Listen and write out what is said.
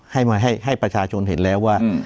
ให้มาให้ประชาชนเห็นแล้วว่า